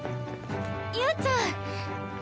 侑ちゃん！